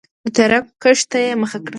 د تریاکو کښت ته یې مخه کړه.